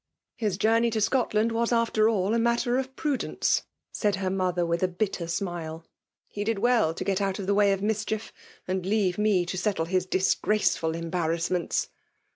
" Hi^ journey to Scotland was sAer all a matter of prudence," said her mother with a , 228 FEMALE . DOMUf ATIOK. . bitter smile. " He did well to get out of the way of irdscliief^ and leave me to settle his dh graceful embarrassments.''